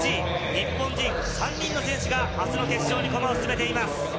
日本人３人の選手が明日の決勝に駒を進めています。